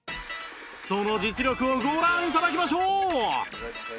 その実力をご覧頂きましょう！